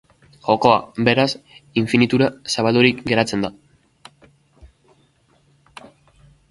Jokoa, beraz, infinitura zabaldurik geratzen da.